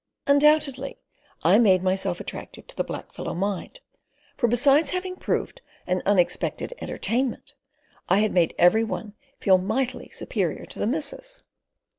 Undoubtedly I made myself attractive to the blackfellow mind; for, besides having proved an unexpected entertainment, I had made every one feel mightily superior to the missus.